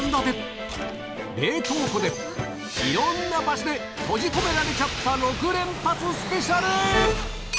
いろんな場所で閉じ込められちゃった６連発スペシャル！